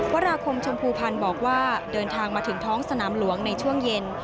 วราคมชมพูพันธ์บอกว่าเดินทางมาถึงท้องสนามหลวงในช่วงเย็น